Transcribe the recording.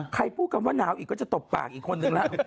พูดคำว่าหนาวอีกก็จะตบปากอีกคนนึงแล้ว